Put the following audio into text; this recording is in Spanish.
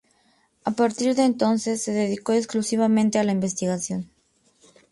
A partir de entonces, se dedicó exclusivamente a la investigación.